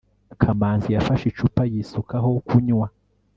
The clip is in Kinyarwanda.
kamanzi yafashe icupa yisukaho kunywa